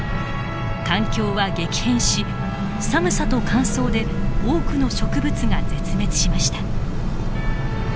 環境は激変し寒さと乾燥で多くの植物が絶滅しました。